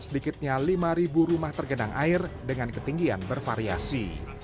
sedikitnya lima rumah tergenang air dengan ketinggian bervariasi